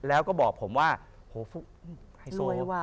แล้วก็บอกผมว่าโหฟุกไฮโซ่